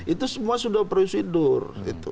itu semua sudah prosedur